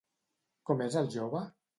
Com és el jove?